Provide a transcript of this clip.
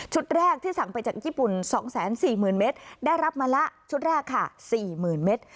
แรกที่สั่งไปจากญี่ปุ่น๒๔๐๐๐เมตรได้รับมาละชุดแรกค่ะ๔๐๐๐เมตร